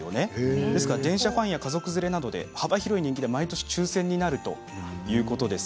ですから電車ファンや家族連れなどで幅広い人気で毎年抽せんになるということなんです。